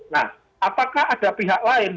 nah apakah ada pihak lain